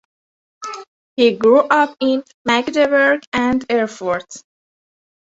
He grew up in Magdeburg and Erfurt.